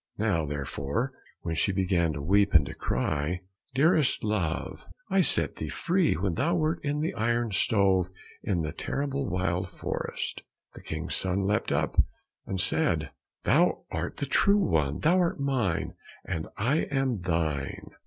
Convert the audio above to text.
Now, therefore, when she began to weep and to cry, "Dearest love, I set thee free when thou wert in the iron stove in the terrible wild forest," the King's son leapt up and said, "Thou art the true one, thou art mine, and I am thine."